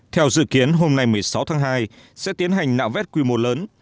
theo dự kiến hôm nay một mươi sáu tháng hai sẽ tiến hành nạo vét quy mô lớn